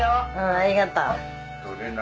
ありがとう。